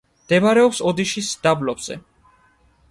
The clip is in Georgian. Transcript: მდებარეობს ოდიშის დაბლობზე.